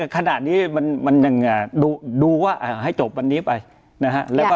ขณะนี้มันยังดูว่าให้จบวันนี้ไปนะฮะ